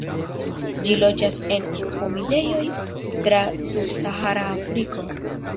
Ĝi loĝas en humidejoj tra subsahara Afriko.